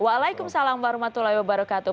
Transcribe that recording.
waalaikumsalam warahmatullahi wabarakatuh